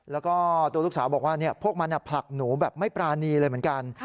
แล้วก็ตัวลูกสาวบอกว่าพวกมันผลักหนูแบบไม่ปรานีเลยเหมือนกัน